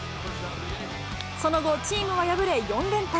その後、チームは敗れ、４連敗。